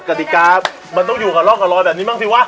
กติกามันต้องอยู่กับร่องกับรอยแบบนี้บ้างสิวะ